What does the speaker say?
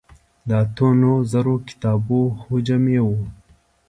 د اتو نهو زرو کتابو حجم یې و.